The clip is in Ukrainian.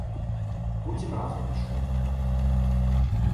Потім разом пішли.